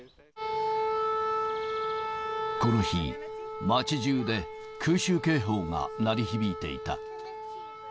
この日、町じゅうで空襲警報が鳴り響いていた。